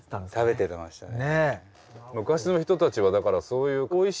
食べてましたね。